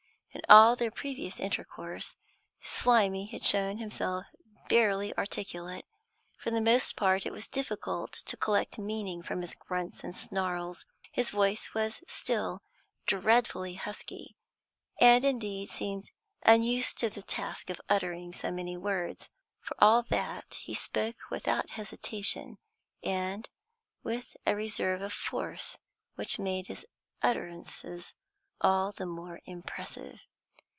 In all their previous intercourse, Slimy had shown himself barely articulate; for the most part it was difficult to collect meaning from his grunts and snarls. His voice was still dreadfully husky, and indeed seemed unused to the task of uttering so many words, but for all that he spoke without hesitation, and with a reserve of force which made his utterances all the more impressive.